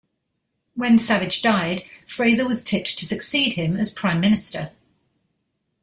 When Savage died, Fraser was tipped to succeed him as Prime Minister.